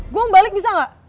gue mau balik bisa gak